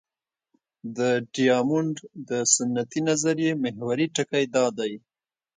د ډیامونډ د سنتي نظریې محوري ټکی دا دی.